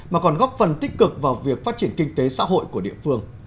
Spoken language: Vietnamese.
mà còn góp phần tích cực vào việc phát triển